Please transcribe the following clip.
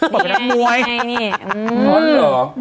เฮ่ยอ้อนหรอ